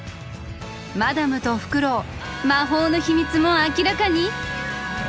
マダムとフクロウ魔法の秘密も明らかに？